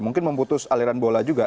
mungkin memutus aliran bola juga